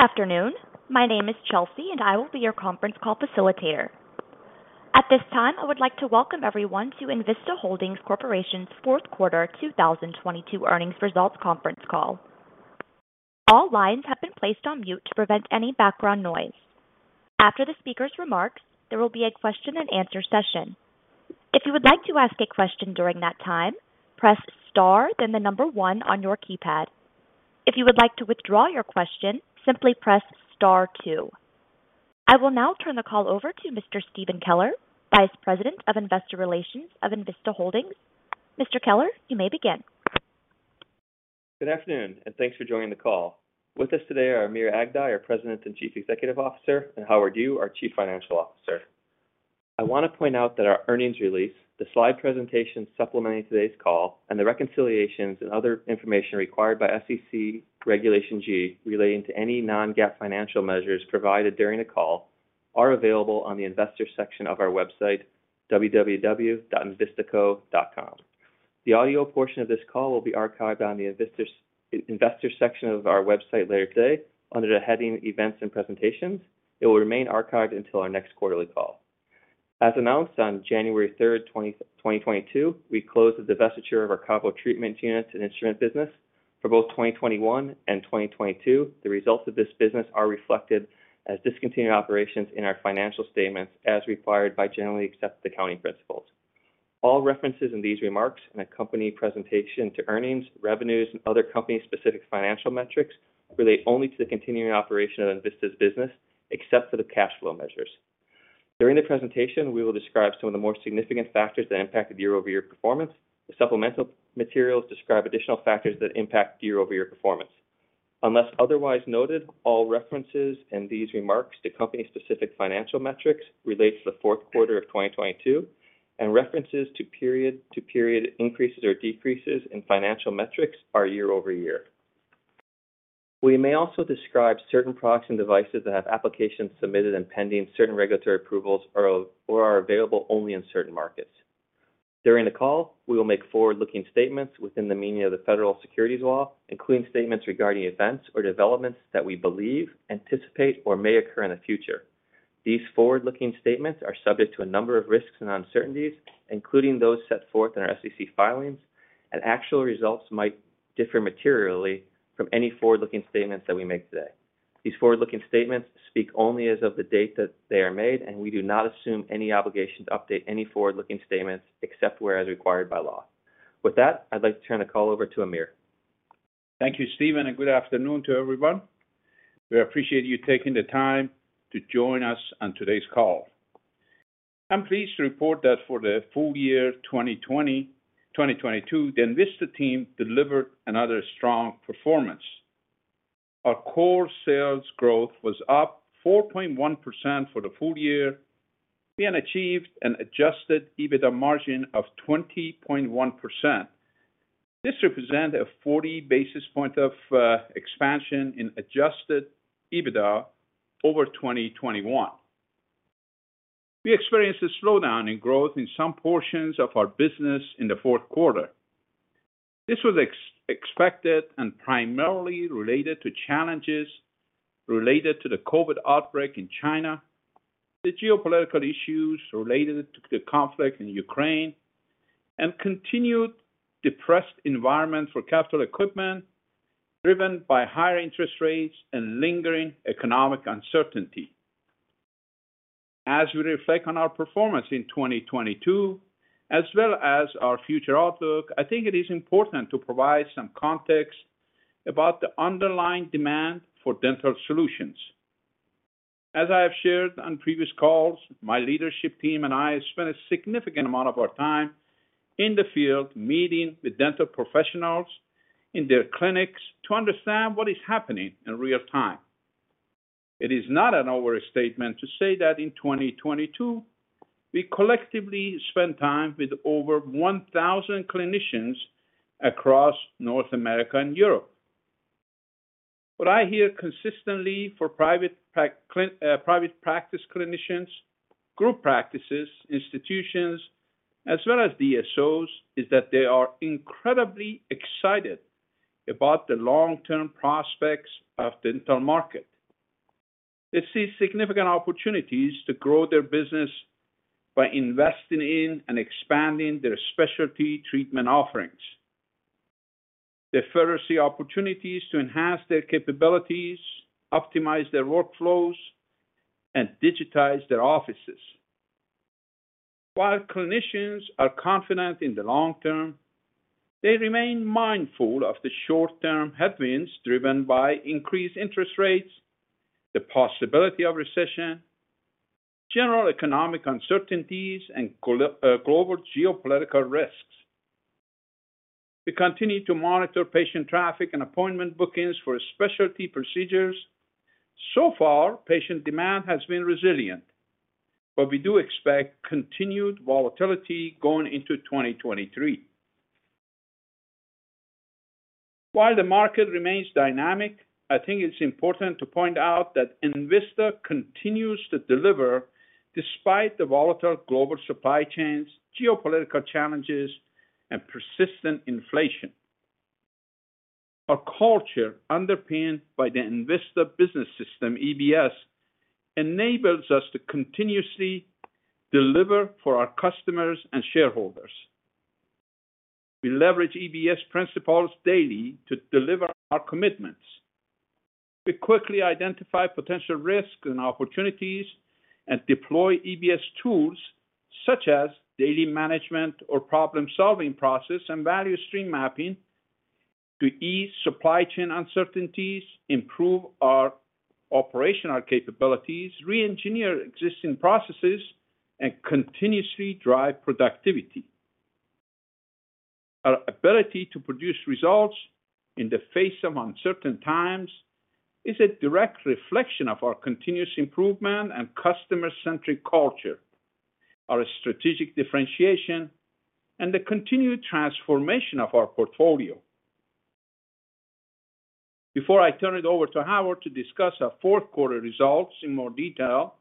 Good afternoon. My name is Chelsea, and I will be your conference call facilitator. At this time, I would like to welcome everyone to Envista Holdings Corporation's fourth quarter 2022 earnings results conference call. All lines have been placed on mute to prevent any background noise. After the speaker's remarks, there will be a question-and-answer session. If you would like to ask a question during that time, press star then number one on your keypad. If you would like to withdraw your question, simply press star two. I will now turn the call over to Mr. Stephen Keller, Vice President of Investor Relations of Envista Holdings. Mr. Keller, you may begin. Good afternoon, thanks for joining the call. With us today are Amir Aghdaei, our President and Chief Executive Officer, and Howard Yu, our Chief Financial Officer. I want to point out that our earnings release, the slide presentation supplementing today's call, and the reconciliations and other information required by SEC Regulation G relating to any non-GAAP financial measures provided during the call are available on the investor section of our website, www.envistaco.com. The audio portion of this call will be archived on the investor section of our website later today under the heading Events and Presentations. It will remain archived until our next quarterly call. As announced on January 3rd, 2022, we closed the divestiture of our KaVo treatment unit and instrument business. For both 2021 and 2022, the results of this business are reflected as discontinued operations in our financial statements as required by generally accepted accounting principles. All references in these remarks and accompany presentation to earnings, revenues, and other company-specific financial metrics relate only to the continuing operation of Envista's business, except for the cash flow measures. During the presentation, we will describe some of the more significant factors that impacted year-over-year performance. The supplemental materials describe additional factors that impact year-over-year performance. Unless otherwise noted, all references in these remarks to company-specific financial metrics relate to the fourth quarter of 2022, and references to period to period increases or decreases in financial metrics are year-over-year. We may also describe certain products and devices that have applications submitted and pending certain regulatory approvals or are available only in certain markets. During the call, we will make forward-looking statements within the meaning of the federal securities laws, including statements regarding events or developments that we believe, anticipate, or may occur in the future. These forward-looking statements are subject to a number of risks and uncertainties, including those set forth in our SEC filings, and actual results might differ materially from any forward-looking statements that we make today. These forward-looking statements speak only as of the date that they are made, and we do not assume any obligation to update any forward-looking statements except where as required by law. With that, I'd like to turn the call over to Amir. Thank you, Stephen, and good afternoon to everyone. We appreciate you taking the time to join us on today's call. I'm pleased to report that for the full year 2020, 2022, the Envista team delivered another strong performance. Our core sales growth was up 4.1% for the full year. We achieved an adjusted EBITDA margin of 20.1%. This represent a 40 basis point of expansion in adjusted EBITDA over 2021. We experienced a slowdown in growth in some portions of our business in the fourth quarter. This was expected and primarily related to challenges related to the COVID outbreak in China, the geopolitical issues related to the conflict in Ukraine, and continued depressed environment for capital equipment, driven by higher interest rates and lingering economic uncertainty. As we reflect on our performance in 2022, as well as our future outlook, I think it is important to provide some context about the underlying demand for dental solutions. As I have shared on previous calls, my leadership team and I spent a significant amount of our time in the field meeting with dental professionals in their clinics to understand what is happening in real time. It is not an overstatement to say that in 2022, we collectively spent time with over 1,000 clinicians across North America and Europe. What I hear consistently for private practice clinicians, group practices, institutions as well as DSOs, is that they are incredibly excited about the long-term prospects of dental market. They see significant opportunities to grow their business by investing in and expanding their specialty treatment offerings. They further see opportunities to enhance their capabilities, optimize their workflows, and digitize their offices. While clinicians are confident in the long term, they remain mindful of the short-term headwinds driven by increased interest rates, the possibility of recession, general economic uncertainties, and global geopolitical risks. We continue to monitor patient traffic and appointment bookings for specialty procedures. So far, patient demand has been resilient, but we do expect continued volatility going into 2023. While the market remains dynamic, I think it's important to point out that Envista continues to deliver despite the volatile global supply chains, geopolitical challenges and persistent inflation. Our culture, underpinned by the Envista Business System, EBS, enables us to continuously deliver for our customers and shareholders. We leverage EBS principles daily to deliver our commitments. We quickly identify potential risks and opportunities and deploy EBS tools such as daily management or problem-solving process and value stream mapping to ease supply chain uncertainties, improve our operational capabilities, re-engineer existing processes, and continuously drive productivity. Our ability to produce results in the face of uncertain times is a direct reflection of our continuous improvement and customer-centric culture, our strategic differentiation, and the continued transformation of our portfolio. Before I turn it over to Howard to discuss our fourth quarter results in more detail,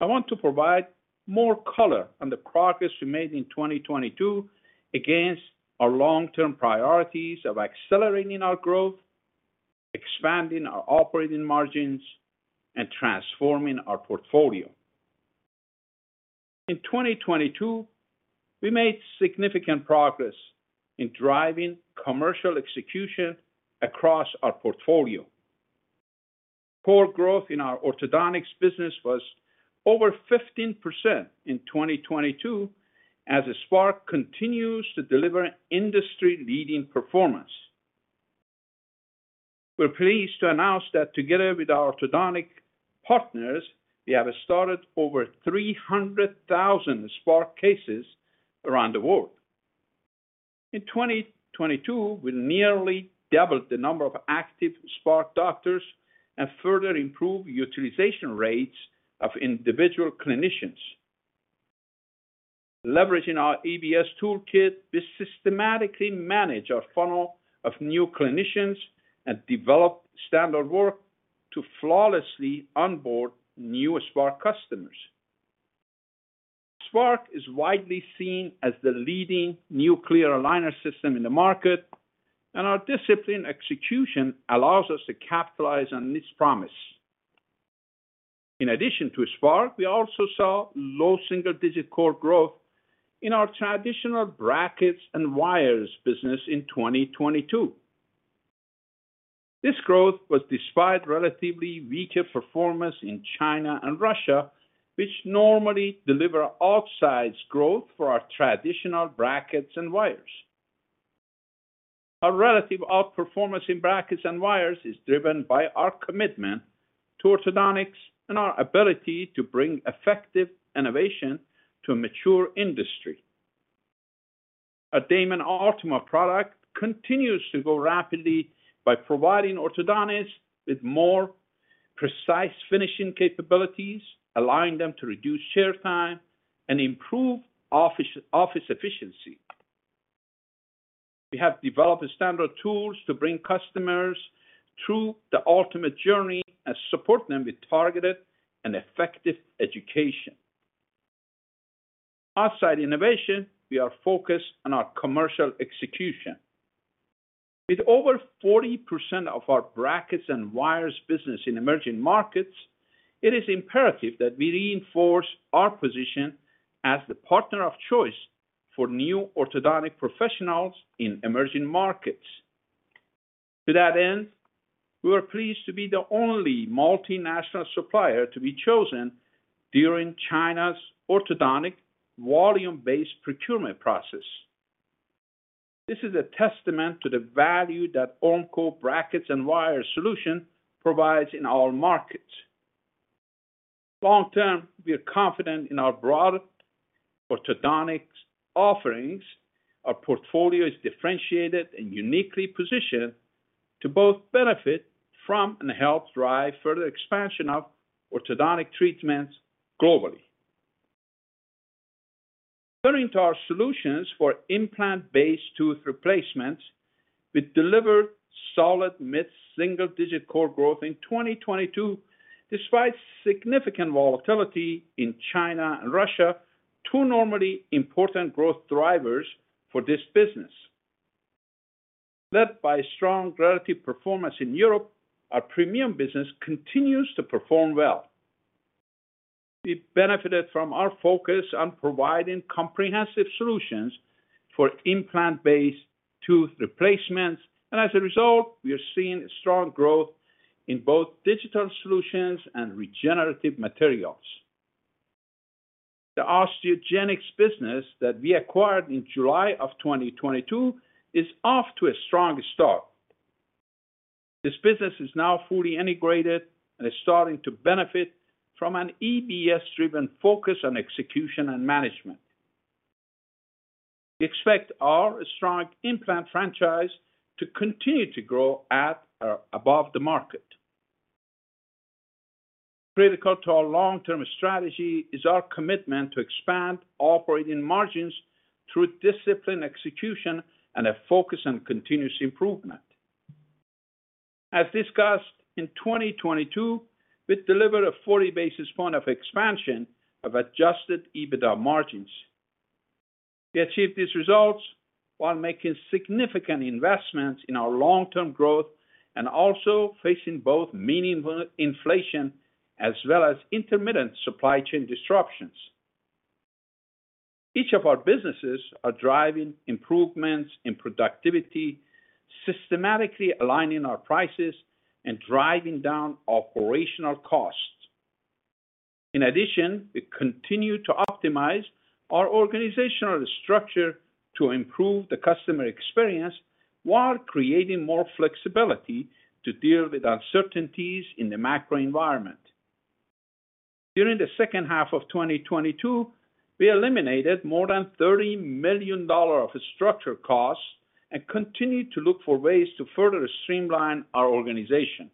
I want to provide more color on the progress we made in 2022 against our long-term priorities of accelerating our growth, expanding our operating margins, and transforming our portfolio. In 2022, we made significant progress in driving commercial execution across our portfolio. Core growth in our orthodontics business was over 15% in 2022 as Spark continues to deliver industry-leading performance. We're pleased to announce that together with our orthodontic partners, we have started over 300,000 Spark cases around the world. In 2022, we nearly doubled the number of active Spark doctors and further improved utilization rates of individual clinicians. Leveraging our EBS toolkit, we systematically manage our funnel of new clinicians and develop standard work to flawlessly onboard new Spark customers. Spark is widely seen as the leading new clear aligner system in the market, and our disciplined execution allows us to capitalize on this promise. In addition to Spark, we also saw low single-digit core growth in our traditional brackets and wires business in 2022. This growth was despite relatively weaker performance in China and Russia, which normally deliver outsized growth for our traditional brackets and wires. Our relative outperformance in brackets and wires is driven by our commitment to orthodontics and our ability to bring effective innovation to a mature industry. Our Damon Ultima product continues to grow rapidly by providing orthodontists with more precise finishing capabilities, allowing them to reduce chair time and improve office efficiency. We have developed standard tools to bring customers through the ultimate journey and support them with targeted and effective education. Outside innovation, we are focused on our commercial execution. With over 40% of our brackets and wires business in emerging markets, it is imperative that we reinforce our position as the partner of choice for new orthodontic professionals in emerging markets. To that end, we are pleased to be the only multinational supplier to be chosen during China's orthodontic volume-based procurement process. This is a testament to the value that Ormco brackets and wires solution provides in all markets. Long term, we are confident in our broad orthodontics offerings. Our portfolio is differentiated and uniquely positioned to both benefit from and help drive further expansion of orthodontic treatments globally. Turning to our solutions for implant-based tooth replacements, we delivered solid mid-single-digit core growth in 2022 despite significant volatility in China and Russia, two normally important growth drivers for this business. Led by strong relative performance in Europe, our premium business continues to perform well. It benefited from our focus on providing comprehensive solutions for implant-based tooth replacements, and as a result, we are seeing strong growth in both digital solutions and regenerative materials. The Osteogenics business that we acquired in July of 2022 is off to a strong start. This business is now fully integrated and is starting to benefit from an EBS-driven focus on execution and management. We expect our strong implant franchise to continue to grow at or above the market. Critical to our long-term strategy is our commitment to expand operating margins through disciplined execution and a focus on continuous improvement. As discussed, in 2022, we delivered a 40 basis point of expansion of adjusted EBITDA margins. We achieved these results while making significant investments in our long-term growth and also facing both meaningful inflation as well as intermittent supply chain disruptions. Each of our businesses are driving improvements in productivity, systematically aligning our prices and driving down operational costs. In addition, we continue to optimize our organizational structure to improve the customer experience while creating more flexibility to deal with uncertainties in the macro environment. During the second half of 2022, we eliminated more than $30 million of structural costs and continued to look for ways to further streamline our organization.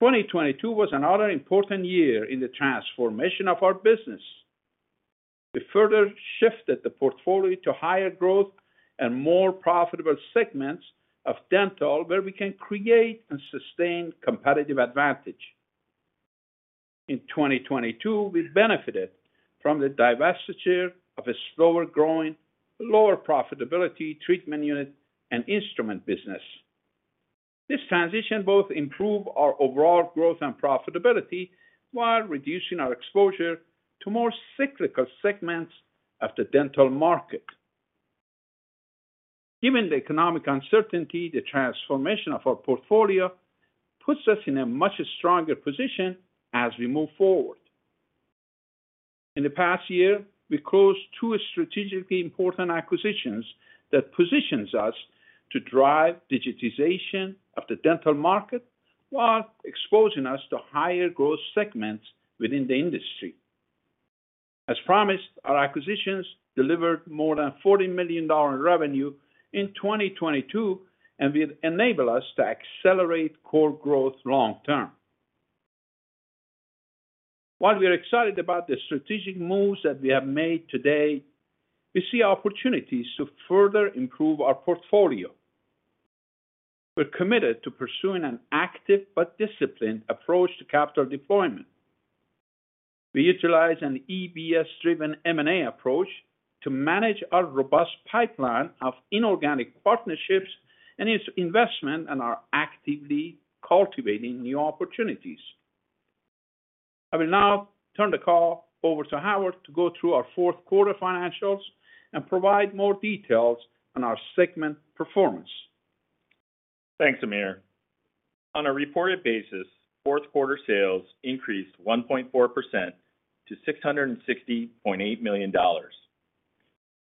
2022 was another important year in the transformation of our business. We further shifted the portfolio to higher growth and more profitable segments of dental, where we can create and sustain competitive advantage. In 2022, we benefited from the divestiture of a slower growing, lower profitability treatment unit and instrument business. This transition both improve our overall growth and profitability while reducing our exposure to more cyclical segments of the dental market. Given the economic uncertainty, the transformation of our portfolio puts us in a much stronger position as we move forward. In the past year, we closed two strategically important acquisitions that positions us to drive digitization of the dental market while exposing us to higher growth segments within the industry. As promised, our acquisitions delivered more than $40 million in revenue in 2022, will enable us to accelerate core growth long term. While we are excited about the strategic moves that we have made today, we see opportunities to further improve our portfolio. We're committed to pursuing an active but disciplined approach to capital deployment. We utilize an EBS driven M&A approach to manage our robust pipeline of inorganic partnerships and its investment, are actively cultivating new opportunities. I will now turn the call over to Howard to go through our fourth quarter financials and provide more details on our segment performance. Thanks, Amir. On a reported basis, fourth quarter sales increased 1.4% to $660.8 million.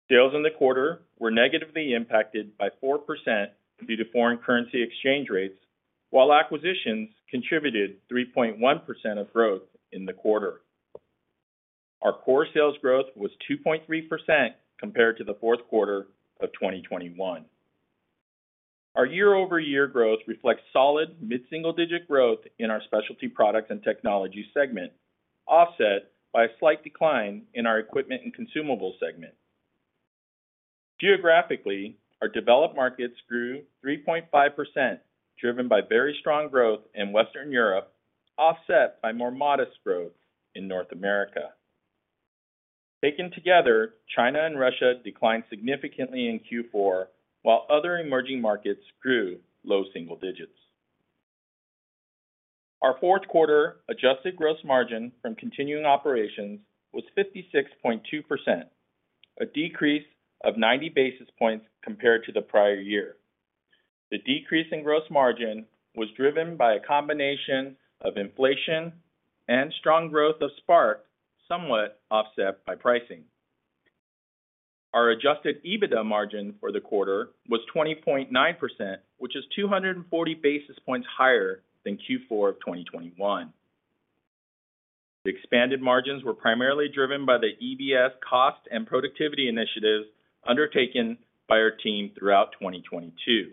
Sales in the quarter were negatively impacted by 4% due to foreign currency exchange rates, while acquisitions contributed 3.1% of growth in the quarter. Our core sales growth was 2.3% compared to the fourth quarter of 2021. Our year-over-year growth reflects solid mid-single digit growth in our specialty products and technology segment, offset by a slight decline in our equipment and consumable segment. Geographically, our developed markets grew 3.5%, driven by very strong growth in Western Europe, offset by more modest growth in North America. Taken together, China and Russia declined significantly in Q4, while other emerging markets grew low single digits. Our fourth quarter adjusted gross margin from continuing operations was 56.2%, a decrease of 90 basis points compared to the prior year. The decrease in gross margin was driven by a combination of inflation and strong growth of Spark, somewhat offset by pricing. Our adjusted EBITDA margin for the quarter was 20.9%, which is 240 basis points higher than Q4 of 2021. The expanded margins were primarily driven by the EBS cost and productivity initiatives undertaken by our team throughout 2022.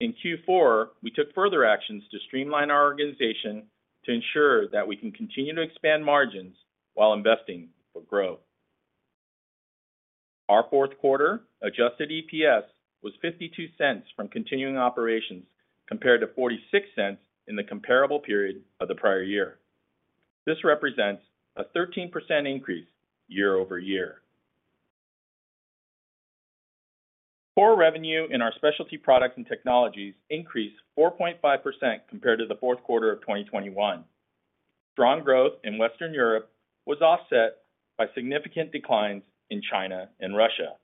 In Q4, we took further actions to streamline our organization to ensure that we can continue to expand margins while investing for growth. Our fourth quarter adjusted EPS was $0.52 from continuing operations, compared to $0.46 in the comparable period of the prior year. This represents a 13% increase year-over-year. Core revenue in our specialty products and technologies increased 4.5% compared to the fourth quarter of 2021. Strong growth in Western Europe was offset by significant declines in China and Russia.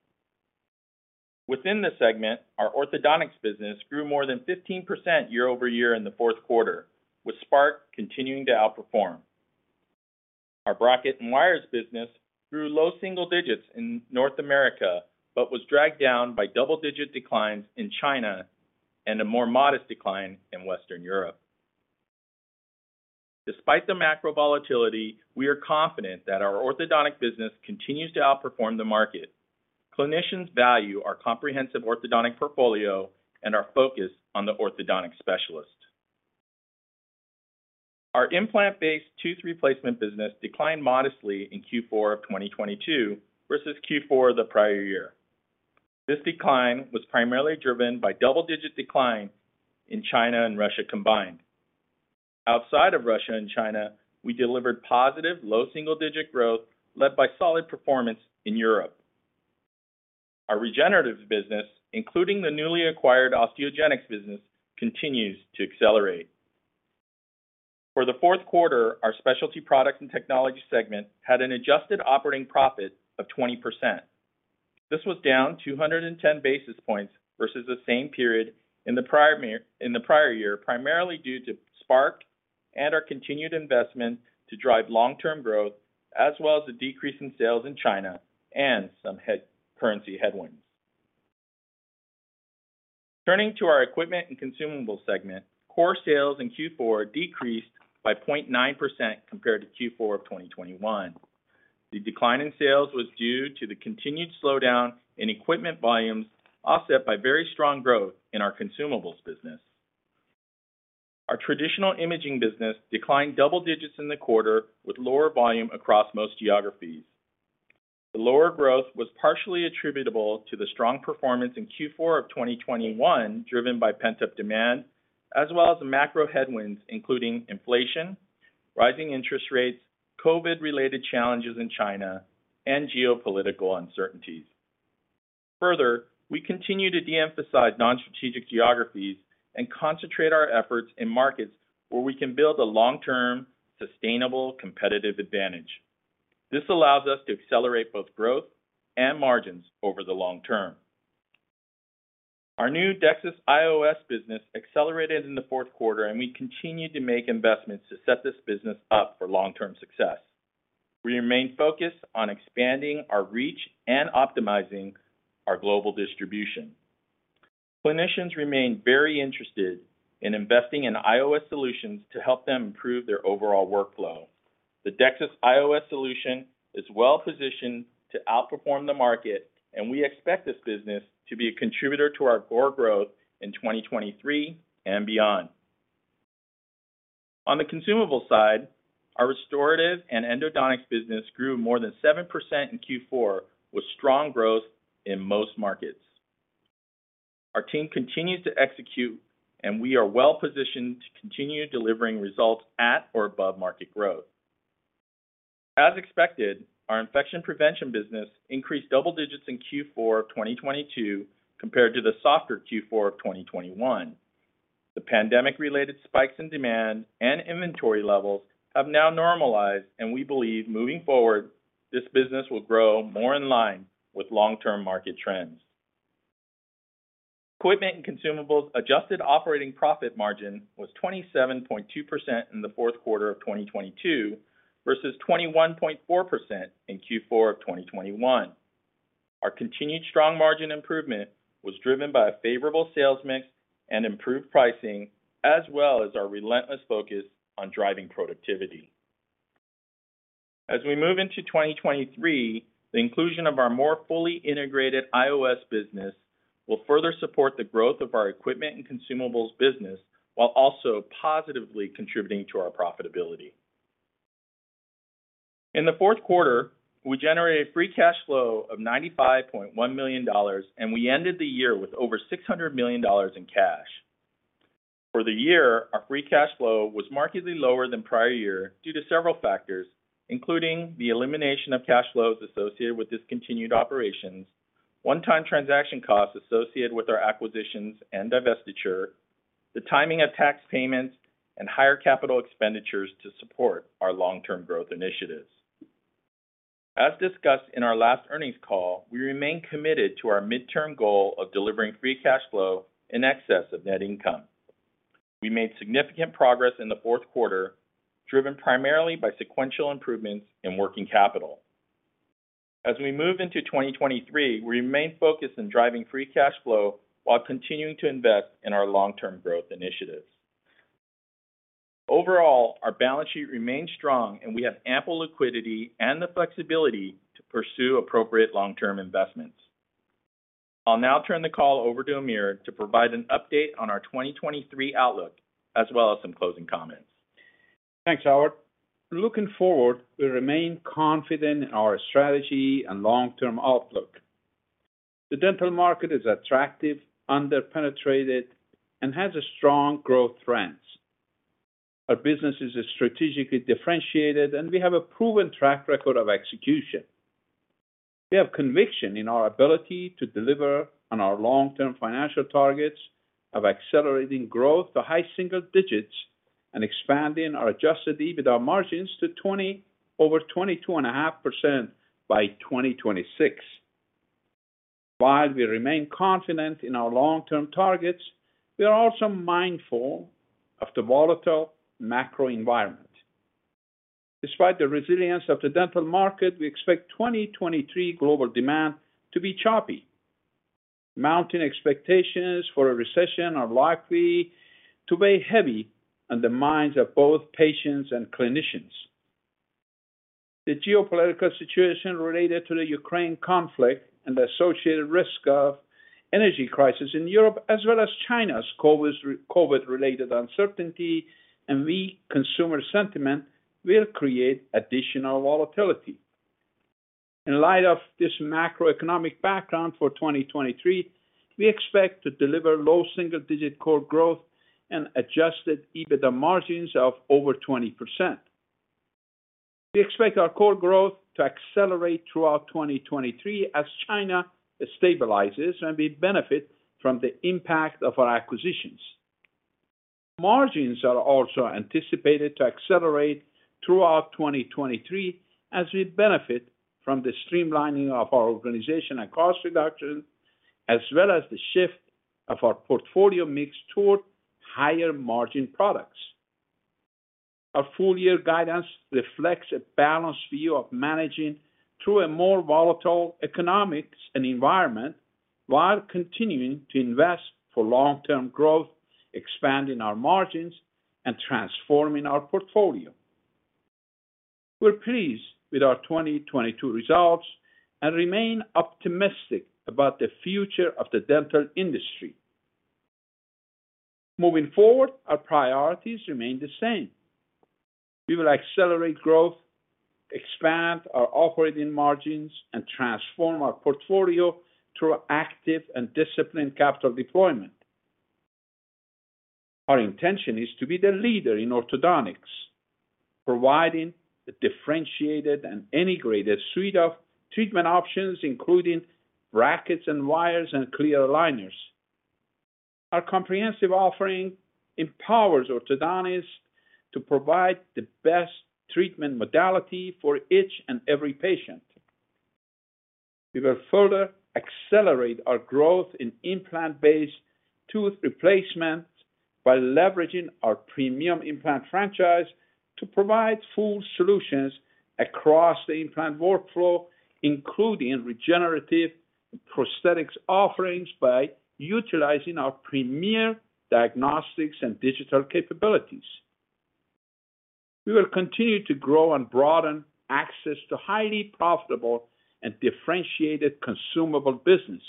Within the segment, our orthodontics business grew more than 15% year-over-year in the fourth quarter, with Spark continuing to outperform. Our bracket and wires business grew low single digits in North America, was dragged down by double-digit declines in China and a more modest decline in Western Europe. Despite the macro volatility, we are confident that our orthodontic business continues to outperform the market. Clinicians value our comprehensive orthodontic portfolio and our focus on the orthodontic specialist. Our implant-based tooth replacement business declined modestly in Q4 of 2022 versus Q4 the prior year. This decline was primarily driven by double-digit decline in China and Russia combined. Outside of Russia and China, we delivered positive low double-digit growth, led by solid performance in Europe. Our regenerative business, including the newly acquired Osteogenics business, continues to accelerate. For the fourth quarter, our specialty products and technology segment had an adjusted operating profit of 20%. This was down 210 basis points versus the same period in the prior year, primarily due to Spark and our continued investment to drive long-term growth, as well as a decrease in sales in China and some currency headwinds. Turning to our equipment and consumables segment, core sales in Q4 decreased by 0.9% compared to Q4 of 2021. The decline in sales was due to the continued slowdown in equipment volumes, offset by very strong growth in our consumables business. Our traditional imaging business declined double digits in the quarter, with lower volume across most geographies. The lower growth was partially attributable to the strong performance in Q4 of 2021, driven by pent-up demand as well as macro headwinds, including inflation, rising interest rates, COVID-related challenges in China, and geopolitical uncertainties. We continue to de-emphasize non-strategic geographies and concentrate our efforts in markets where we can build a long-term, sustainable competitive advantage. This allows us to accelerate both growth and margins over the long term. Our new DEXIS IOS business accelerated in the fourth quarter, and we continued to make investments to set this business up for long-term success. We remain focused on expanding our reach and optimizing our global distribution. Clinicians remain very interested in investing in IOS solutions to help them improve their overall workflow. The DEXIS IOS solution is well positioned to outperform the market, and we expect this business to be a contributor to our core growth in 2023 and beyond. On the consumable side, our restorative and endodontics business grew more than 7% in Q4, with strong growth in most markets. Our team continues to execute, and we are well positioned to continue delivering results at or above market growth. As expected, our infection prevention business increased double digits in Q4 of 2022 compared to the softer Q4 of 2021. The pandemic-related spikes in demand and inventory levels have now normalized, and we believe moving forward, this business will grow more in line with long-term market trends. Equipment and consumables adjusted operating profit margin was 27.2% in the fourth quarter of 2022 versus 21.4% in Q4 of 2021. Our continued strong margin improvement was driven by a favorable sales mix and improved pricing, as well as our relentless focus on driving productivity. As we move into 2023, the inclusion of our more fully integrated IOS business will further support the growth of our equipment and consumables business while also positively contributing to our profitability. In the fourth quarter, we generated free cash flow of $95.1 million, and we ended the year with over $600 million in cash. For the year, our free cash flow was markedly lower than prior year due to several factors, including the elimination of cash flows associated with discontinued operations, one-time transaction costs associated with our acquisitions and divestiture, the timing of tax payments, and higher capital expenditures to support our long-term growth initiatives. As discussed in our last earnings call, we remain committed to our midterm goal of delivering free cash flow in excess of net income. We made significant progress in the fourth quarter, driven primarily by sequential improvements in working capital. As we move into 2023, we remain focused on driving free cash flow while continuing to invest in our long-term growth initiatives. Overall, our balance sheet remains strong and we have ample liquidity and the flexibility to pursue appropriate long-term investments. I'll now turn the call over to Amir to provide an update on our 2023 outlook as well as some closing comments. Thanks, Howard. Looking forward, we remain confident in our strategy and long-term outlook. The dental market is attractive, under-penetrated, and has a strong growth trends. Our businesses are strategically differentiated, and we have a proven track record of execution. We have conviction in our ability to deliver on our long-term financial targets of accelerating growth to high single digits and expanding our adjusted EBITDA margins to over 22.5% by 2026. While we remain confident in our long-term targets, we are also mindful of the volatile macro environment. Despite the resilience of the dental market, we expect 2023 global demand to be choppy. Mounting expectations for a recession are likely to weigh heavy on the minds of both patients and clinicians. The geopolitical situation related to the Ukraine conflict and the associated risk of energy crisis in Europe, as well as China's COVID-related uncertainty and weak consumer sentiment, will create additional volatility. In light of this macroeconomic background for 2023, we expect to deliver low single-digit core growth and adjusted EBITDA margins of over 20%. We expect our core growth to accelerate throughout 2023 as China stabilizes, and we benefit from the impact of our acquisitions. Margins are also anticipated to accelerate throughout 2023 as we benefit from the streamlining of our organization and cost reduction, as well as the shift of our portfolio mix toward higher-margin products. Our full year guidance reflects a balanced view of managing through a more volatile economics and environment while continuing to invest for long-term growth, expanding our margins and transforming our portfolio. We're pleased with our 2022 results and remain optimistic about the future of the dental industry. Moving forward, our priorities remain the same. We will accelerate growth, expand our operating margins and transform our portfolio through active and disciplined capital deployment. Our intention is to be the leader in orthodontics, providing a differentiated and integrated suite of treatment options, including brackets and wires and clear aligners. Our comprehensive offering empowers orthodontists to provide the best treatment modality for each and every patient. We will further accelerate our growth in implant-based tooth replacement by leveraging our premium implant franchise to provide full solutions across the implant workflow, including regenerative prosthetics offerings by utilizing our premier diagnostics and digital capabilities. We will continue to grow and broaden access to highly profitable and differentiated consumable business.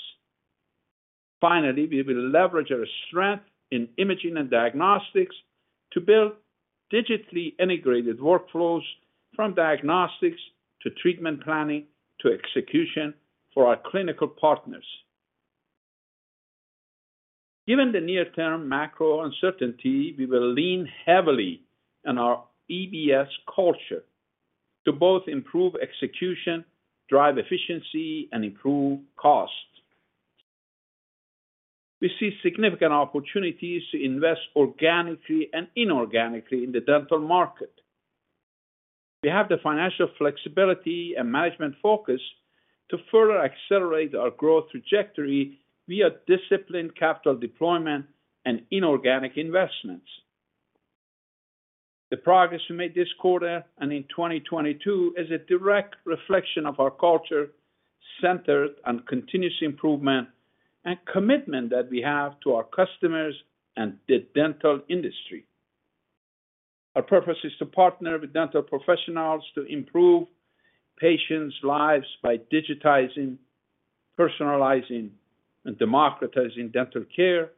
Finally, we will leverage our strength in imaging and diagnostics to build digitally integrated workflows from diagnostics to treatment planning to execution for our clinical partners. Given the near term macro uncertainty, we will lean heavily on our EBS culture to both improve execution, drive efficiency and improve costs. We see significant opportunities to invest organically and inorganically in the dental market. We have the financial flexibility and management focus to further accelerate our growth trajectory via disciplined capital deployment and inorganic investments. The progress we made this quarter and in 2022 is a direct reflection of our culture, centered on continuous improvement and commitment that we have to our customers and the dental industry. Our purpose is to partner with dental professionals to improve patients' lives by digitizing, personalizing and democratizing dental care.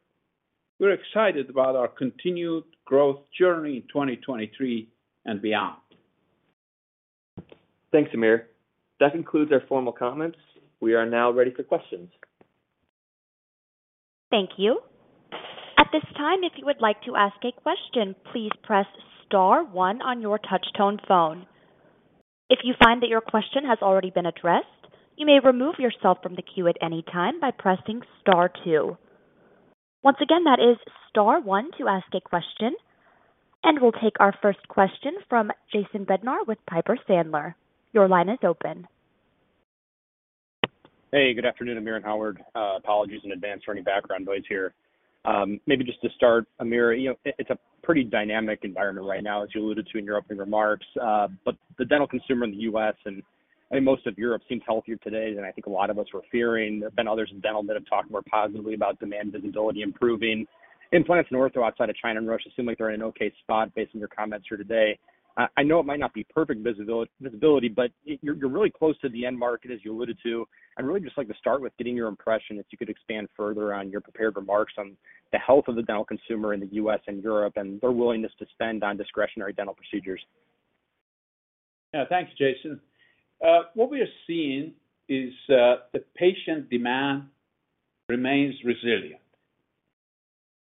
We're excited about our continued growth journey in 2023 and beyond. Thanks, Amir. That concludes our formal comments. We are now ready for questions. Thank you. At this time, if you would like to ask a question, please press star one on your touch-tone phone. If you find that your question has already been addressed, you may remove yourself from the queue at any time by pressing star two. Once again, that is star one to ask a question. We'll take our first question from Jason Bednar with Piper Sandler. Your line is open. Hey, good afternoon, Amir and Howard. apologies in advance for any background noise here. maybe just to start, Amir, you know, it's a pretty dynamic environment right now, as you alluded to in your opening remarks. The dental consumer in the U.S. and I think most of Europe seems healthier today than I think a lot of us were fearing. There have been others in dental that have talked more positively about demand visibility improving. Implants and ortho outside of China and Russia seem like they're in an okay spot based on your comments here today. I know it might not be perfect visibility, but you're really close to the end market, as you alluded to. I'd really just like to start with getting your impression, if you could expand further on your prepared remarks on the health of the dental consumer in the U.S. and Europe and their willingness to spend on discretionary dental procedures. Yeah. Thanks, Jason. What we are seeing is, the patient demand remains resilient.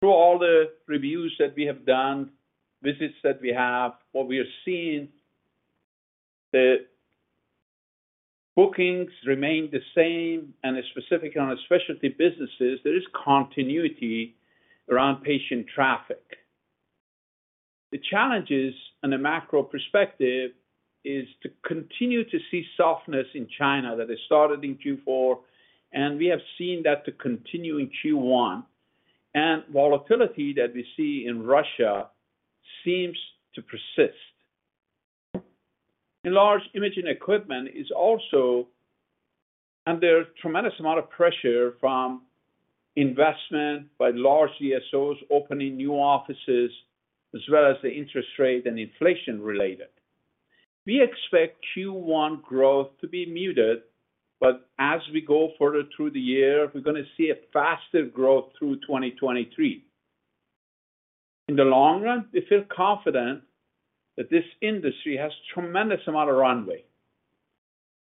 Through all the reviews that we have done, visits that we have, what we are seeing, the bookings remain the same. Specifically on the specialty businesses there is continuity around patient traffic. The challenges on a macro perspective is to continue to see softness in China that has started in Q4. We have seen that to continue in Q1. Volatility that we see in Russia seems to persist. Large imaging equipment is also. There's tremendous amount of pressure from investment by large DSOs opening new offices, as well as the interest rate and inflation related. We expect Q1 growth to be muted. As we go further through the year, we're gonna see a faster growth through 2023. In the long run, we feel confident that this industry has tremendous amount of runway.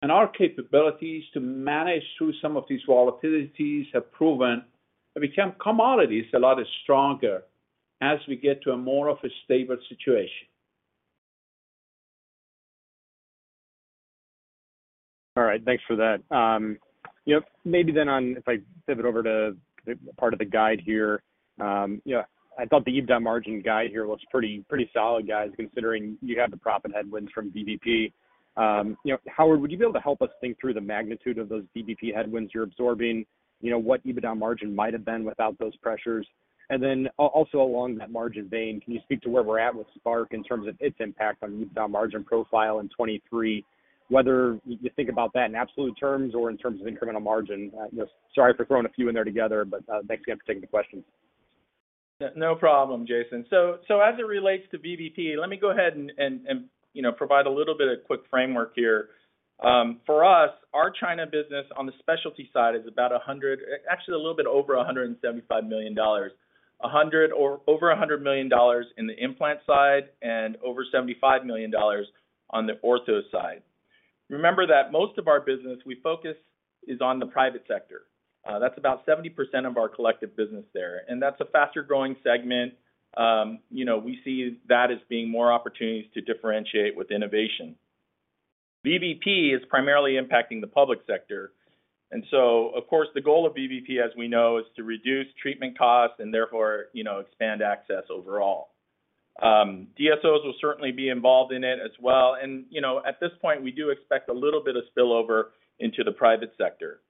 Our capabilities to manage through some of these volatilities have proven that we can come out of this a lot stronger as we get to a more of a stable situation. All right, thanks for that. You know, maybe if I pivot over to the part of the guide here, you know, I thought the EBITDA margin guide here looks pretty solid, guys, considering you have the profit headwinds from VBP. You know, Howard, would you be able to help us think through the magnitude of those VBP headwinds you're absorbing? You know, what EBITDA margin might have been without those pressures? Also along that margin vein, can you speak to where we're at with Spark in terms of its impact on EBITDA margin profile in 2023, whether you think about that in absolute terms or in terms of incremental margin? You know, sorry for throwing a few in there together, but thanks again for taking the questions. No problem, Jason. As it relates to VBP, let me go ahead and, you know, provide a little bit of quick framework here. For us, our China business on the specialty side is about actually a little bit over $175 million. A hundred or over $100 million in the implant side and over $75 million on the ortho side. Remember that most of our business we focus is on the private sector. That's about 70% of our collective business there, and that's a faster-growing segment. You know, we see that as being more opportunities to differentiate with innovation. VBP is primarily impacting the public sector. Of course, the goal of VBP, as we know, is to reduce treatment costs and therefore, you know, expand access overall. DSOs will certainly be involved in it as well. You know, at this point, we do expect a little bit of spillover into the private sector.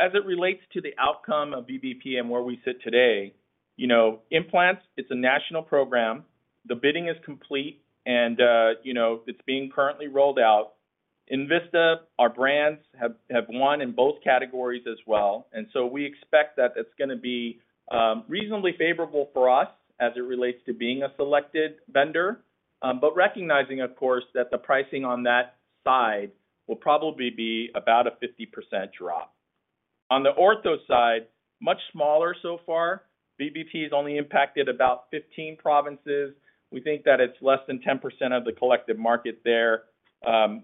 As it relates to the outcome of VBP and where we sit today, you know, implants, it's a national program. The bidding is complete and, you know, it's being currently rolled out. Envista, our brands have won in both categories as well, we expect that it's gonna be reasonably favorable for us as it relates to being a selected vendor. Recognizing, of course, that the pricing on that side will probably be about a 50% drop. On the ortho side, much smaller so far. VBP has only impacted about 15 provinces. We think that it's less than 10% of the collective market there.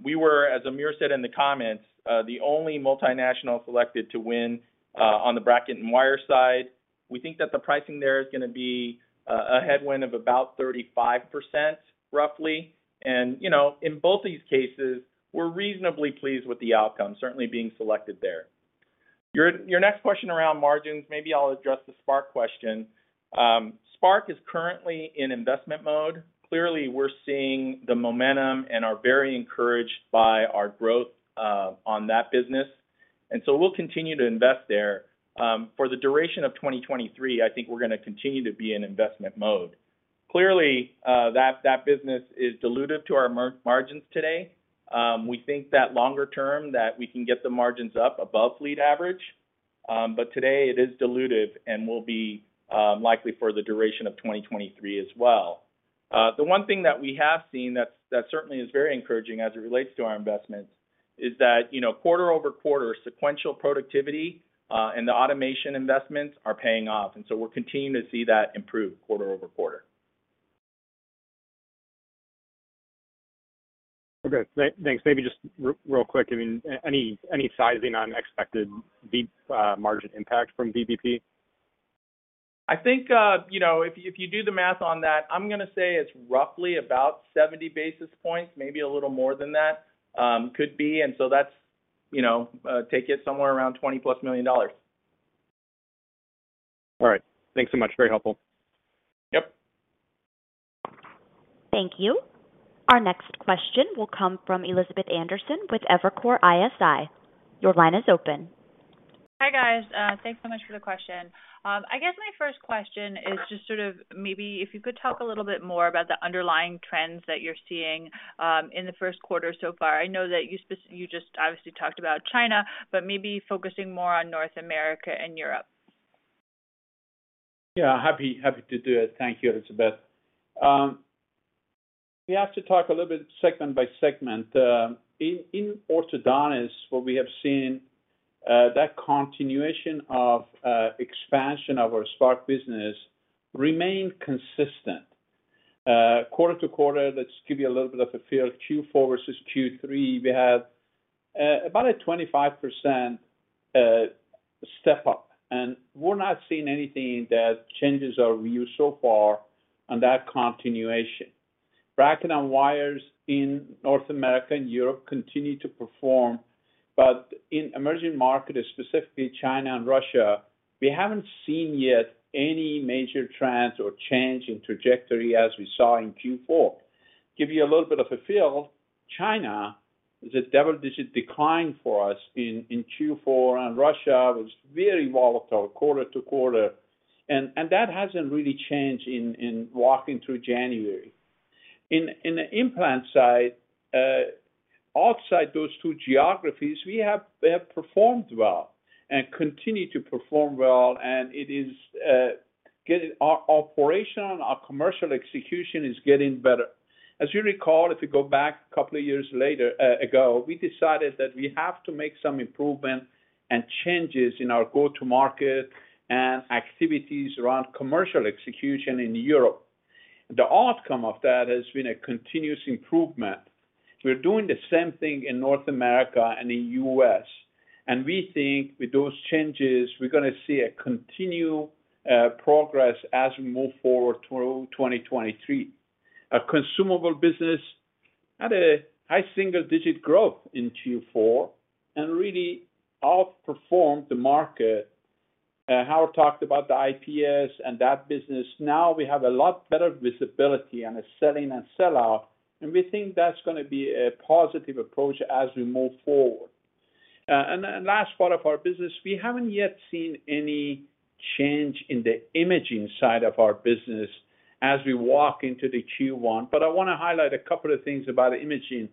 We were, as Amir said in the comments, the only multinational selected to win on the bracket and wire side. We think that the pricing there is gonna be a headwind of about 35%, roughly. You know, in both these cases, we're reasonably pleased with the outcome, certainly being selected there. Your next question around margins, maybe I'll address the Spark question. Spark is currently in investment mode. Clearly, we're seeing the momentum and are very encouraged by our growth on that business. We'll continue to invest there. For the duration of 2023, I think we're gonna continue to be in investment mode. Clearly, that business is dilutive to our margins today. We think that longer term, that we can get the margins up above fleet average. Today it is dilutive and will be, likely for the duration of 2023 as well. The one thing that we have seen that certainly is very encouraging as it relates to our investments is that, you know, quarter-over-quarter sequential productivity, and the automation investments are paying off, we're continuing to see that improve quarter-over-quarter. Okay. Thanks. Maybe just real quick, I mean, any sizing on expected margin impact from VBP? I think, you know, if you do the math on that, I'm gonna say it's roughly about 70 basis points, maybe a little more than that, could be. That's, you know, take it somewhere around $20+ million. All right. Thanks so much. Very helpful. Yep. Thank you. Our next question will come from Elizabeth Anderson with Evercore ISI. Your line is open. Hi, guys, thanks so much for the question. I guess my first question is just sort of maybe if you could talk a little bit more about the underlying trends that you're seeing in the first quarter so far. I know that you just obviously talked about China, but maybe focusing more on North America and Europe. Yeah. Happy to do it. Thank you, Elizabeth. We have to talk a little bit segment by segment. In orthodontists, what we have seen, that continuation of expansion of our Spark business remain consistent. Quarter to quarter, let's give you a little bit of a feel. Q4 versus Q3, we have about a 25% step-up, and we're not seeing anything that changes our view so far on that continuation. Bracket and wires in North America and Europe continue to perform, but in emerging markets, specifically China and Russia, we haven't seen yet any major trends or change in trajectory as we saw in Q4. Give you a little bit of a feel, China is a double-digit decline for us in Q4, and Russia was very volatile quarter to quarter. That hasn't really changed in walking through January. In the implant side, outside those two geographies, we have performed well and continue to perform well, and it is getting our operation, our commercial execution is getting better. As you recall, if you go back a couple of years ago, we decided that we have to make some improvement and changes in our go-to market and activities around commercial execution in Europe. The outcome of that has been a continuous improvement. We're doing the same thing in North America and in U.S. We think with those changes, we're gonna see a continued progress as we move forward through 2023. Our consumable business had a high single-digit growth in Q4 and really outperformed the market. Howard talked about the IPS and that business. Now we have a lot better visibility on a selling and sell-off, and we think that's gonna be a positive approach as we move forward. Then last part of our business, we haven't yet seen any change in the imaging side of our business as we walk into the Q1. I wanna highlight a couple of things about imaging.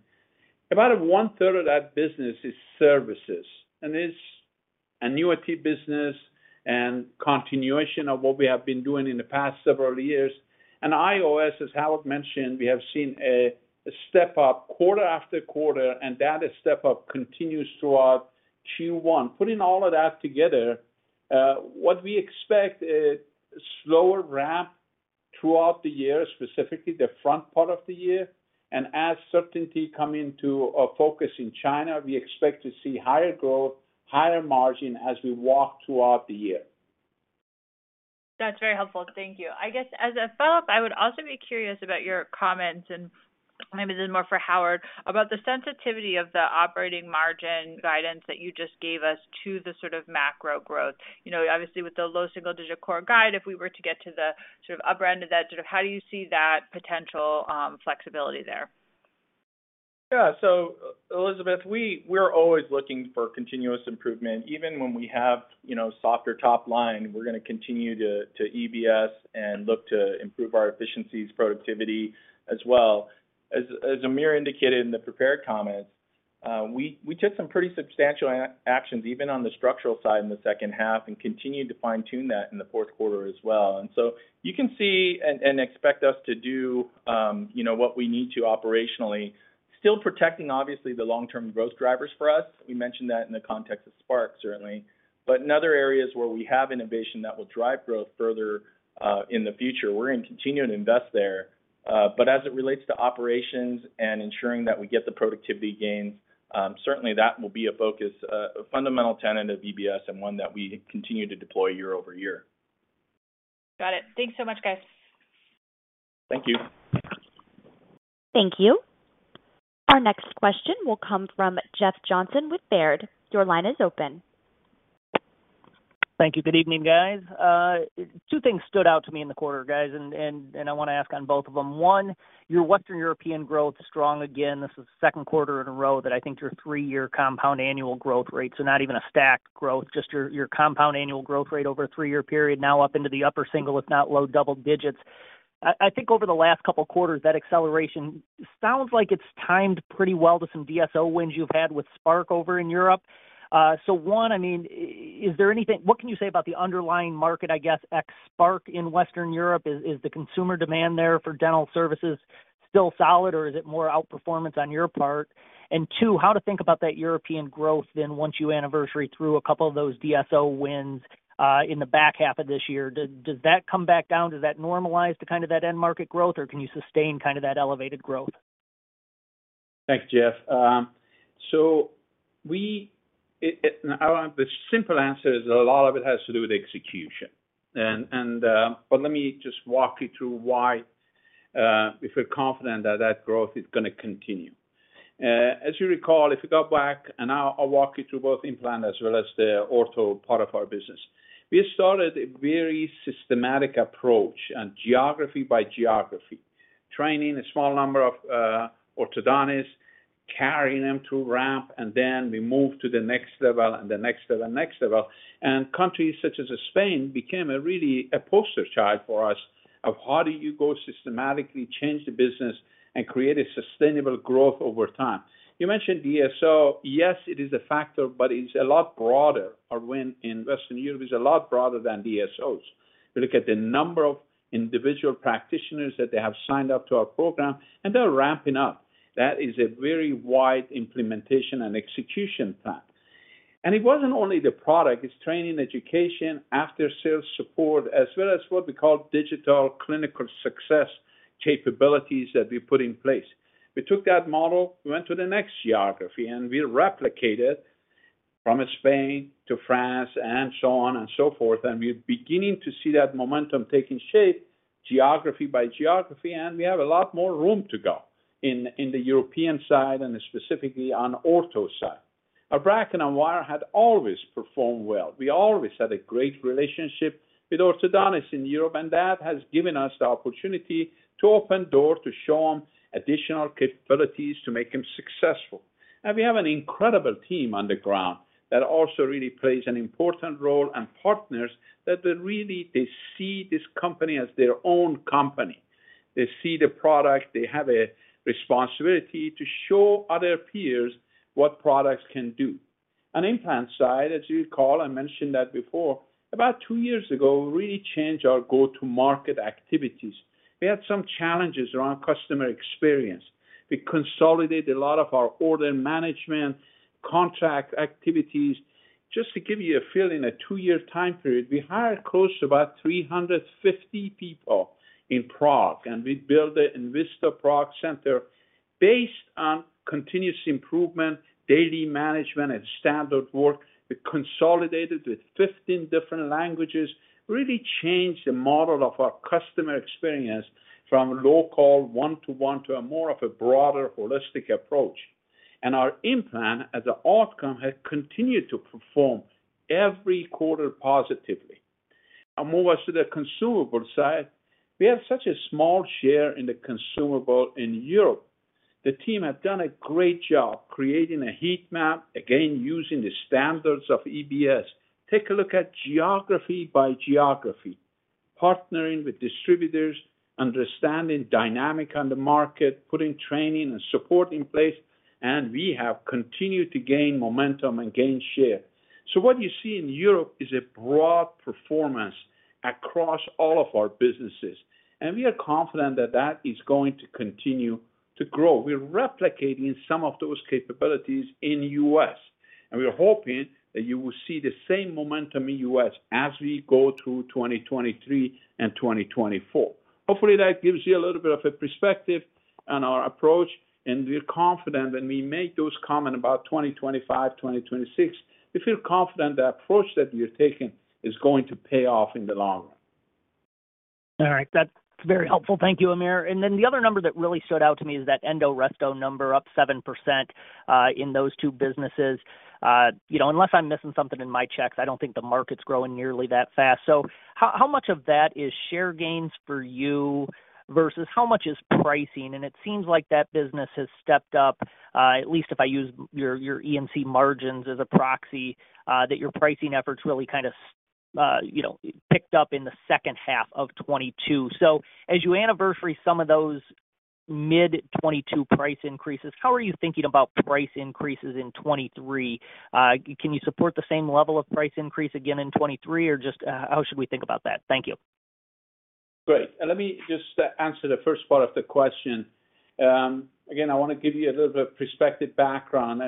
About 1/3 of that business is services, and it's annuity business and continuation of what we have been doing in the past several years. IOS, as Howard mentioned, we have seen a step-up quarter after quarter, and that step-up continues throughout Q1. Putting all of that together, what we expect a slower ramp throughout the year, specifically the front part of the year. As certainty come into our focus in China, we expect to see higher growth, higher margin as we walk throughout the year. That's very helpful. Thank you. I guess as a follow-up, I would also be curious about your comments, and maybe this is more for Howard, about the sensitivity of the operating margin guidance that you just gave us to the sort of macro growth. You know, obviously with the low single digit core guide, if we were to get to the sort of upper end of that, sort of how do you see that potential flexibility there? Yeah. Elizabeth, we're always looking for continuous improvement. Even when we have, you know, softer top line, we're gonna continue to EBS and look to improve our efficiencies, productivity as well. As Amir indicated in the prepared comments, we took some pretty substantial actions, even on the structural side in the second half, and continued to fine-tune that in the fourth quarter as well. You can see and expect us to do, you know, what we need to operationally, still protecting obviously the long-term growth drivers for us. We mentioned that in the context of Spark, certainly. In other areas where we have innovation that will drive growth further in the future, we're going to continue to invest there. As it relates to operations and ensuring that we get the productivity gains, certainly that will be a focus, a fundamental tenet of EBS and one that we continue to deploy year-over-year. Got it. Thanks so much, guys. Thank you. Thank you. Our next question will come from Jeffrey Johnson with Baird. Your line is open. Thank you. Good evening, guys. Two things stood out to me in the quarter, guys, and I wanna ask on both of them. One, your Western European growth is strong again. This is the second quarter in a row that I think your three-year compound annual growth rate. Not even a stacked growth, just your compound annual growth rate over a three-year period now up into the upper single, if not low double digits. I think over the last couple of quarters, that acceleration sounds like it's timed pretty well to some DSO wins you've had with Spark over in Europe. One, I mean, is there anything what can you say about the underlying market, I guess, ex Spark in Western Europe? Is the consumer demand there for dental services still solid, or is it more outperformance on your part? Two, how to think about that European growth then once you anniversary through a couple of those DSO wins in the back half of this year? Does that come back down? Does that normalize to kind of that end market growth, or can you sustain kind of that elevated growth? Thanks, Jeffrey. The simple answer is a lot of it has to do with execution. Let me just walk you through why we feel confident that that growth is gonna continue. As you recall, if you go back, and I'll walk you through both implant as well as the ortho part of our business. We started a very systematic approach and geography by geography, training a small number of orthodontists, carrying them through ramp, and then we move to the next level and the next level, next level. Countries such as Spain became a really a poster child for us of how do you go systematically change the business and create a sustainable growth over time. You mentioned DSO. Yes, it is a factor, but it's a lot broader. Our win in Western Europe is a lot broader than DSOs. You look at the number of individual practitioners that they have signed up to our program, and they're ramping up. That is a very wide implementation and execution plan. It wasn't only the product, it's training, education, after-sales support, as well as what we call digital clinical success capabilities that we put in place. We took that model, we went to the next geography and we replicate it from Spain to France and so on and so forth. We're beginning to see that momentum taking shape geography by geography, and we have a lot more room to go in the European side and specifically on ortho side. Our bracket and wire had always performed well. We always had a great relationship with orthodontists in Europe, and that has given us the opportunity to open door to show them additional capabilities to make them successful. We have an incredible team on the ground that also really plays an important role, and partners that they really see this company as their own company. They see the product, they have a responsibility to show other peers what products can do. On implant side, as you recall, I mentioned that before, about two years ago, we really changed our go-to-market activities. We had some challenges around customer experience. We consolidated a lot of our order management, contract activities. Just to give you a feel, in a two-year time period, we hired close to about 350 people in Prague, and we built it in Envista Prague Center based on continuous improvement, daily management and standard work. We consolidated with 15 different languages, really changed the model of our customer experience from local one-to-one to a more of a broader holistic approach. Our implant as an outcome has continued to perform every quarter positively. I'll move us to the consumable side. We have such a small share in the consumable in Europe. The team have done a great job creating a heat map, again, using the standards of EBS. Take a look at geography by geography, partnering with distributors, understanding dynamic on the market, putting training and support in place, and we have continued to gain momentum and gain share. What you see in Europe is a broad performance across all of our businesses, and we are confident that that is going to continue to grow. We're replicating some of those capabilities in U.S., and we are hoping that you will see the same momentum in U.S. as we go through 2023 and 2024. Hopefully, that gives you a little bit of a perspective on our approach, and we're confident when we make those comment about 2025, 2026, we feel confident the approach that we're taking is going to pay off in the long run. All right, that's very helpful. Thank you, Amir Aghdaei. The other number that really stood out to me is that Endo-Resto number up 7% in those two businesses. You know, unless I'm missing something in my checks, I don't think the market's growing nearly that fast. How much of that is share gains for you versus how much is pricing? And it seems like that business has stepped up, at least if I use your EMC margins as a proxy, that your pricing efforts really kind of, you know, picked up in the second half of 2022. As you anniversary some of those mid-2022 price increases, how are you thinking about price increases in 2023? Just, how should we think about that? Thank you. Great. Let me just answer the first part of the question. Again, I want to give you a little bit of perspective background.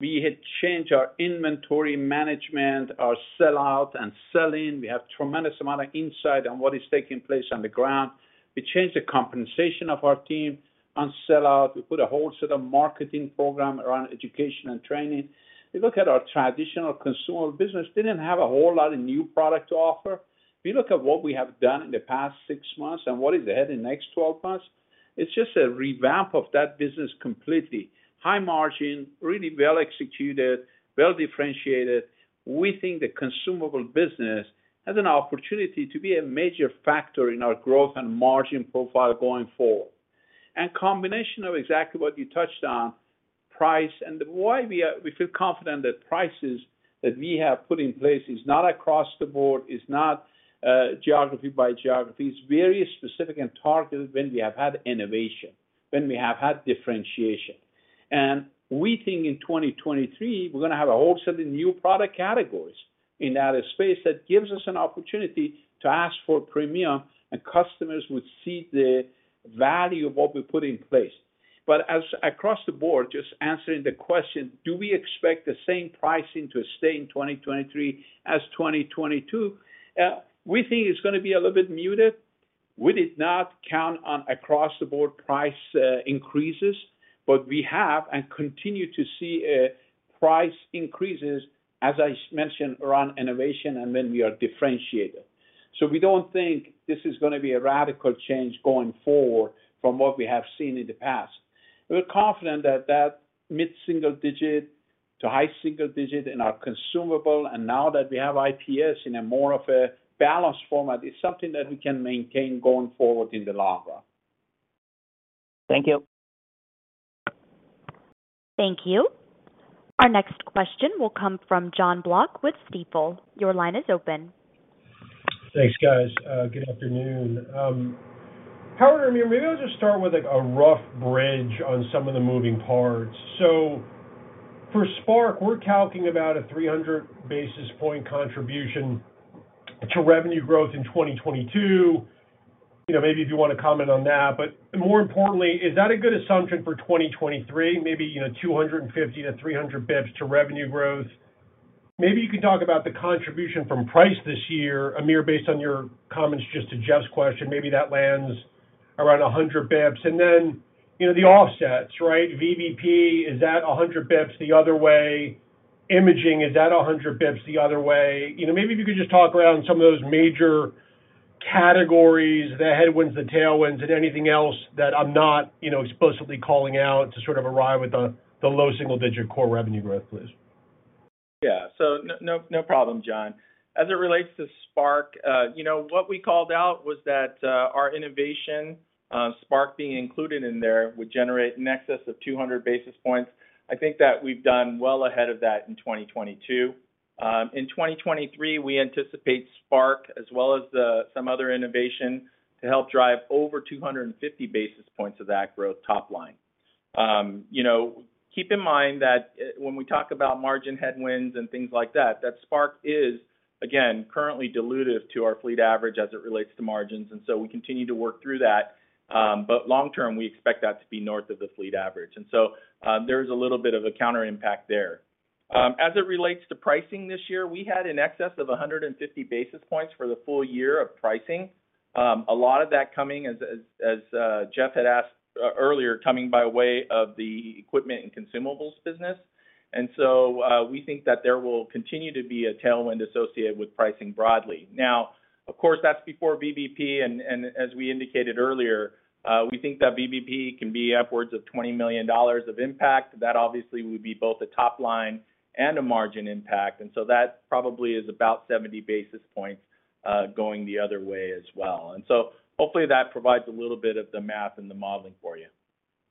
We had changed our inventory management, our sell out and sell in. We have tremendous amount of insight on what is taking place on the ground. We changed the compensation of our team on sell out. We put a whole set of marketing program around education and training. We look at our traditional consumable business, didn't have a whole lot of new product to offer. If you look at what we have done in the past six months and what is ahead in the next 12 months, it's just a revamp of that business completely. High margin, really well executed, well differentiated. We think the consumable business has an opportunity to be a major factor in our growth and margin profile going forward. Combination of exactly what you touched on, price and why we feel confident that prices that we have put in place is not across the board, is not, geography by geography. It's very specific and targeted when we have had innovation, when we have had differentiation. We think in 2023, we're going to have a whole set of new product categories in that space that gives us an opportunity to ask for premium, and customers would see the value of what we put in place. As across the board, just answering the question, do we expect the same pricing to stay in 2023 as 2022? We think it's going to be a little bit muted. We did not count on across the board price increases. We have and continue to see a price increases, as I mentioned, around innovation and when we are differentiated. We don't think this is going to be a radical change going forward from what we have seen in the past. We're confident that that mid-single digit to high single digit in our consumable, and now that we have IOS in a more of a balanced format, is something that we can maintain going forward in the long run. Thank you. Thank you. Our next question will come from Jonathan Block with Stifel. Your line is open. Thanks, guys. Good afternoon. Howard and Amir, maybe I'll just start with, like, a rough bridge on some of the moving parts. For Spark, we're calculating about a 300 basis point contribution to revenue growth in 2022. You know, maybe if you want to comment on that. More importantly, is that a good assumption for 2023? Maybe, you know, 250-300 basis points to revenue growth. Maybe you can talk about the contribution from price this year, Amir, based on your comments just to Jeffrey's question, maybe that lands around 100 basis points. Then, you know, the offsets, right? VBP, is that 100 basis points the other way? Imaging, is that 100 basis points the other way? You know, maybe if you could just talk around some of those major categories, the headwinds, the tailwinds, and anything else that I'm not, you know, explicitly calling out to sort of arrive at the low single digit core revenue growth, please. No problem, John. As it relates to Spark, you know, what we called out was that our innovation, Spark being included in there would generate in excess of 200 basis points. I think that we've done well ahead of that in 2022. In 2023, we anticipate Spark as well as some other innovation to help drive over 250 basis points of that growth top line. You know, keep in mind that when we talk about margin headwinds and things like that Spark is, again, currently dilutive to our fleet average as it relates to margins, we continue to work through that. But long term, we expect that to be north of the fleet average. There's a little bit of a counter impact there. As it relates to pricing this year, we had in excess of 150 basis points for the full year of pricing. A lot of that coming as Jeffrey had asked earlier, coming by way of the equipment and consumables business. We think that there will continue to be a tailwind associated with pricing broadly. That's before VBP as we indicated earlier, we think that VBP can be upwards of $20 million of impact. That obviously would be both a top line and a margin impact. That probably is about 70 basis points going the other way as well. Hopefully that provides a little bit of the math and the modeling for you.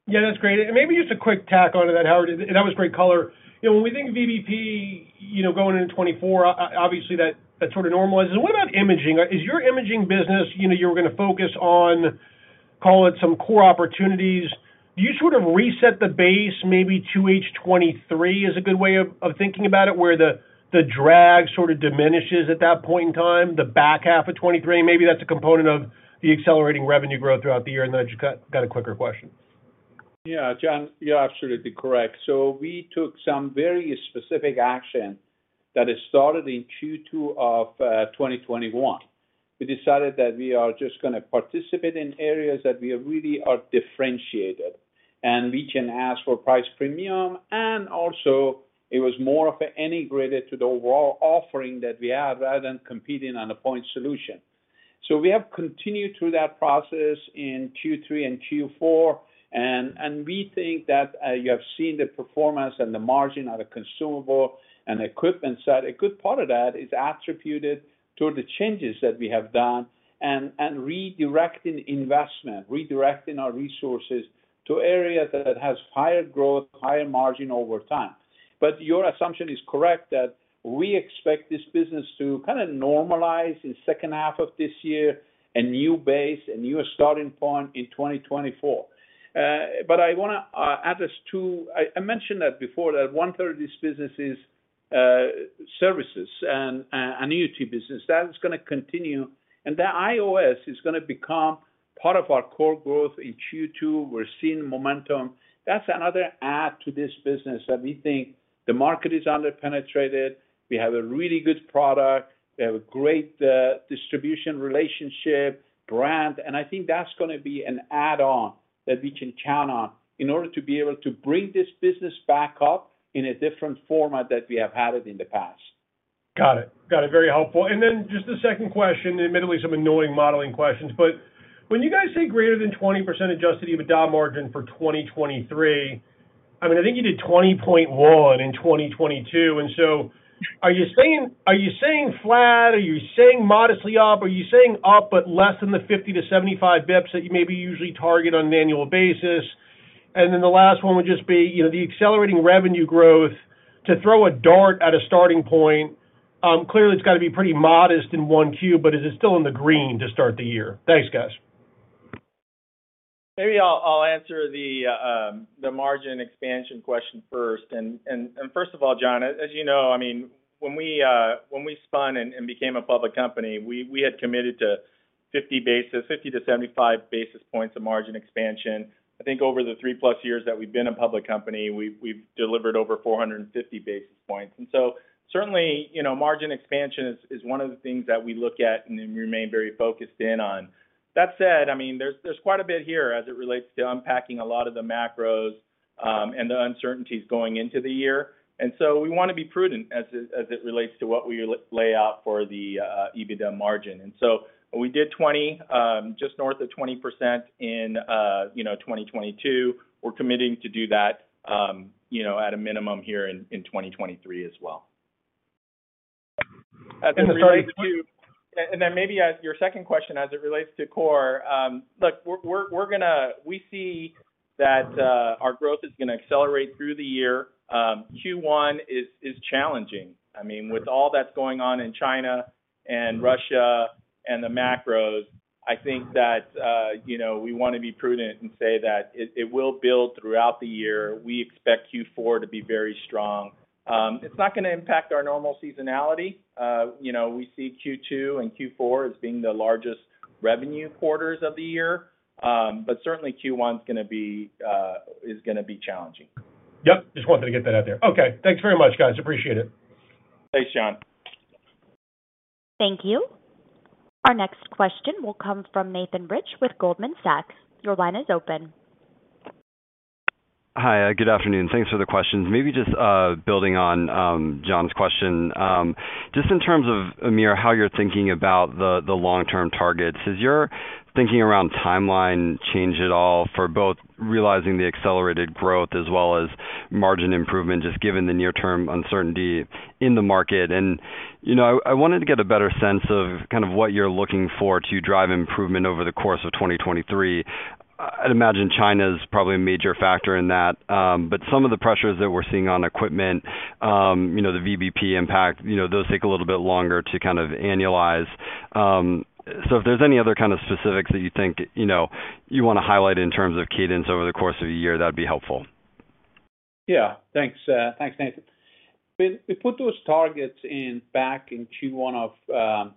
Yeah, that's great. Maybe just a quick tack onto that, Howard. That was great color. You know, when we think of VBP, you know, going into 2024, obviously that sort of normalizes. What about imaging? Is your imaging business, you know, you're gonna focus on, call it some core opportunities. Do you sort of reset the base maybe to H 2023 is a good way of thinking about it, where the drag sort of diminishes at that point in time, the back half of 2023? Maybe that's a component of the accelerating revenue growth throughout the year. I just got a quicker question. Yeah. John, you're absolutely correct. We took some very specific action that it started in Q2 of 2021. We decided that we are just gonna participate in areas that we really are differentiated, and we can ask for price premium. Also it was more of integrated to the overall offering that we have rather than competing on a point solution. We have continued through that process in Q3 and Q4, and we think that you have seen the performance and the margin on the consumable and equipment side. A good part of that is attributed to the changes that we have done and redirecting investment, redirecting our resources to areas that has higher growth, higher margin over time. Your assumption is correct that we expect this business to kinda normalize in second half of this year, a new base, a new starting point in 2024. I wanna address two. I mentioned that before that one-third of this business is services and an UT business. That is gonna continue, and the IOS is gonna become part of our core growth. In Q2, we're seeing momentum. That's another add to this business that we think the market is under-penetrated. We have a really good product. We have a great distribution relationship brand, and I think that's gonna be an add-on that we can count on in order to be able to bring this business back up in a different format that we have had it in the past. Got it. Very helpful. Just the second question, admittedly some annoying modeling questions, but when you guys say greater than 20% adjusted EBITDA margin for 2023, I mean, I think you did 20.1 in 2022, are you saying flat? Are you saying modestly up? Are you saying up but less than the 50-75 basis points that you maybe usually target on an annual basis? The last one would just be, you know, the accelerating revenue growth to throw a dart at a starting point, clearly it's gotta be pretty modest in 1Q, but is it still in the green to start the year? Thanks, guys. Maybe I'll answer the margin expansion question first. First of all, John, as you know, I mean, when we spun and became a public company, we had committed to 50-75 basis points of margin expansion. I think over the three-plus years that we've been a public company, we've delivered over 450 basis points. Certainly, you know, margin expansion is one of the things that we look at and remain very focused in on. That said, I mean, there's quite a bit here as it relates to unpacking a lot of the macros and the uncertainties going into the year. We wanna be prudent as it relates to what we lay out for the EBITDA margin. We did 20, just north of 20% in, you know, 2022. We're committing to do that, you know, at a minimum here in 2023 as well. the third- Maybe as your second question, as it relates to core, look, we see that our growth is gonna accelerate through the year. Q1 is challenging. I mean, with all that's going on in China and Russia and the macros, I think that, you know, we wanna be prudent and say that it will build throughout the year. We expect Q4 to be very strong. It's not gonna impact our normal seasonality. You know, we see Q2 and Q4 as being the largest revenue quarters of the year. Certainly Q1 is gonna be challenging. Yep. Just wanted to get that out there. Okay. Thanks very much, guys. Appreciate it. Thanks, John. Thank you. Our next question will come from Nathan Rich with Goldman Sachs. Your line is open. Hi, good afternoon. Thanks for the questions. Maybe just building on John's question. Just in terms of, Amir, how you're thinking about the long-term targets. Has your thinking around timeline changed at all for both realizing the accelerated growth as well as margin improvement, just given the near-term uncertainty in the market? You know, I wanted to get a better sense of kind of what you're looking for to drive improvement over the course of 2023. I'd imagine China's probably a major factor in that. Some of the pressures that we're seeing on equipment, you know, the VBP impact, you know, those take a little bit longer to kind of annualize. If there's any other kind of specifics that you think, you know, you wanna highlight in terms of cadence over the course of the year, that'd be helpful. Thanks, Nathan. We put those targets in back in Q1 of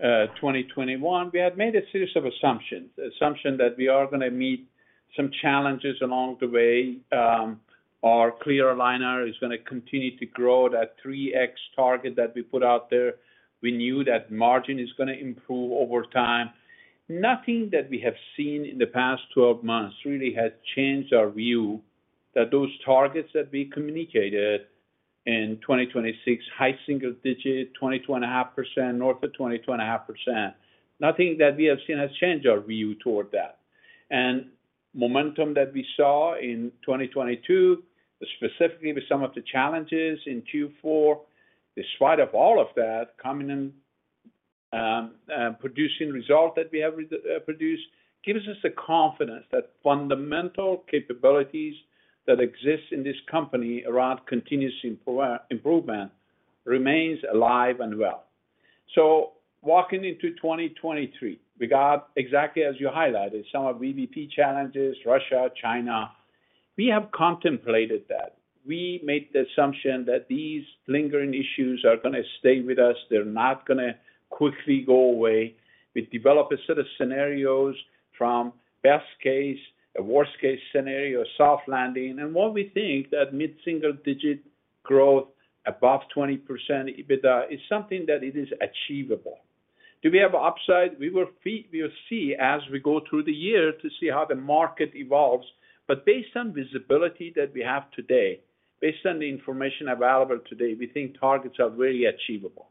2021. We had made a series of assumptions. The assumption that we are gonna meet some challenges along the way. Our clear aligner is gonna continue to grow at 3x target that we put out there. We knew that margin is gonna improve over time. Nothing that we have seen in the past 12 months really has changed our view that those targets that we communicated in 2026, high single-digit, 22.5%, north of 22.5%, nothing that we have seen has changed our view toward that. Momentum that we saw in 2022, specifically with some of the challenges in Q4, despite of all of that, coming and producing results that we have produced gives us the confidence that fundamental capabilities that exist in this company around continuous improvement remains alive and well. Walking into 2023, we got exactly as you highlighted, some of VBP challenges, Russia, China. We have contemplated that. We made the assumption that these lingering issues are gonna stay with us. They're not gonna quickly go away. We've developed a set of scenarios from best case, a worst-case scenario, soft landing. What we think that mid-single digit growth above 20% EBITDA is something that it is achievable. Do we have upside? We will see as we go through the year to see how the market evolves, but based on visibility that we have today, based on the information available today, we think targets are very achievable.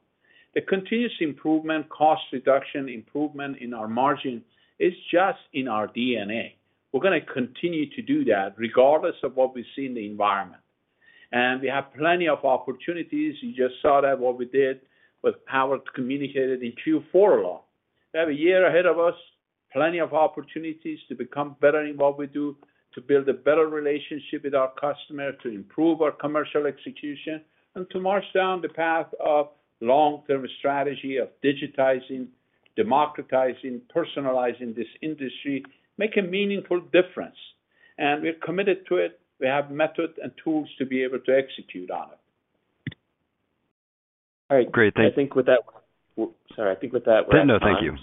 The continuous improvement, cost reduction improvement in our margin is just in our DNA. We're gonna continue to do that regardless of what we see in the environment. We have plenty of opportunities. You just saw that what we did with Howard communicated in Q4 alone. We have a year ahead of us, plenty of opportunities to become better in what we do, to build a better relationship with our customer, to improve our commercial execution, and to march down the path of long-term strategy of digitizing, democratizing, personalizing this industry, make a meaningful difference. We're committed to it. We have method and tools to be able to execute on it. All right. Great. I think with that we're out of time. No, thank you.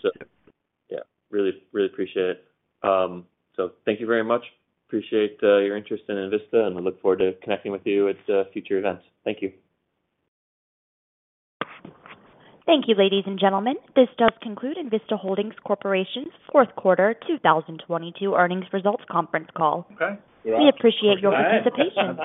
Yeah. Really, really appreciate it. Thank you very much. Appreciate your interest in Envista, and we look forward to connecting with you at future events. Thank you. Thank you, ladies and gentlemen. This does conclude Envista Holdings Corporation's fourth quarter 2022 earnings results conference call. Okay. Yeah. We appreciate your participation.